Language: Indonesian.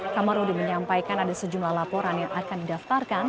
kamarudin menyampaikan ada sejumlah laporan yang akan didaftarkan